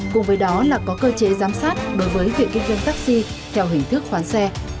cùng với đó là có cơ chế giám sát đối với việc kinh doanh taxi theo hình thức khoán xe